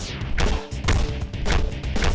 gengguan irah diman